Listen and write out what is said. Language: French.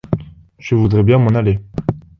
Je voudrais bien m’en aller !